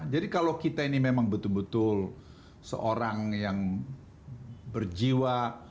jadi kalau kita ini memang betul betul seorang yang berjiwa